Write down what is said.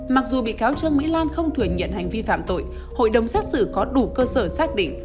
mặc dù bị cáo trương mỹ lan không thừa nhận hành vi phạm tội hội đồng xét xử có đủ cơ sở xác định